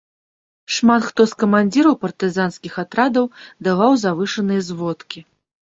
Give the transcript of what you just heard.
Шмат хто з камандзіраў партызанскіх атрадаў даваў завышаныя зводкі.